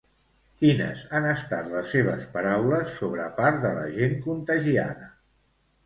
Quines han estat les seves paraules sobre part de la gent contagiada?